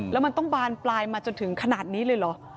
แล้วมันต้องบานปลายมาจนถึงขนาดนี้เลยเหรอ